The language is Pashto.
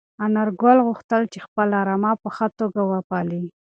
انارګل غوښتل چې خپله رمه په ښه توګه وپالي.